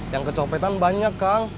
yang kecopetan banyak kang